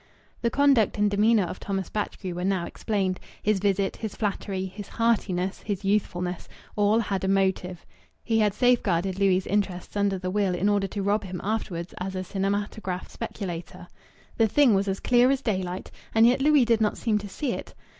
The conduct and demeanour of Thomas Batchgrew were now explained. His visit, his flattery, his heartiness, his youthfulness, all had a motive. He had safeguarded Louis' interests under the will in order to rob him afterwards as a cinematograph speculator. The thing was as clear as daylight. And yet Louis did not seem to see it.